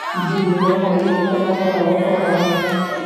د لیمو غوړي د څه لپاره وکاروم؟